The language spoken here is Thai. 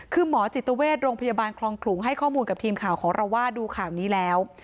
คือหมอจิตเวชโรงพยาบาลคลองขลุงให้ข้อมูลกับทีมข่าวของเราว่าดูข่าวนี้แล้ว